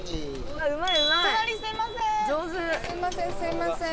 隣すいません